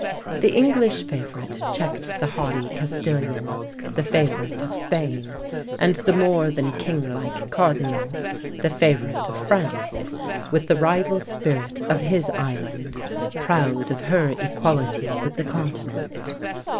The English favourite checked the haughty Castilian, the favourite of Spain, and the more than king like cardinal, the favourite of France, with the rival spirit of his island, proud of her equality with the continent.